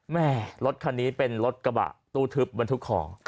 แม่รถคันนี้เป็นรถกระบะตู้ทึบบรรทุกของ